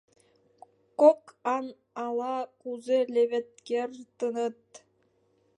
Кок ан ала-кузе левед кертыныт.